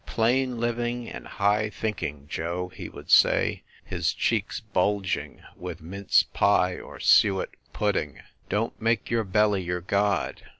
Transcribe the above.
"Plain living and high thinking, Joe/ he would say, his cheeks bulging with mince pie or suet pudding. "Don t make your belly your god!"